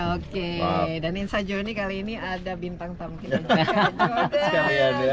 oke dan inshajo ini kali ini ada bintang bintang kita juga